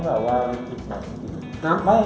คือหม่อยว่า